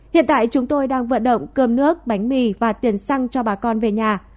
hiện tại chúng tôi đang vận động cơm nước bánh mì và tiền xăng cho bà con về nhà